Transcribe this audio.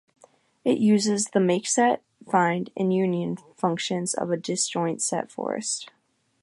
It uses the "MakeSet", "Find", and "Union" functions of a disjoint-set forest.